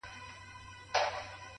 هره ستونزه د ودې بلنه ده؛